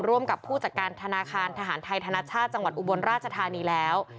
ร่วมกับผู้จัดการธนาคารทหารไทยธนชาติจังหวัดอุบลราชธานีแล้ว